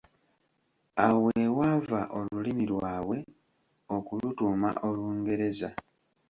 Awo we waava olulimi lwabwe okulutuuma Olungereza.